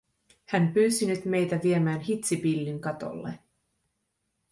Hän pyysi nyt meitä viemään hitsipillin katolle.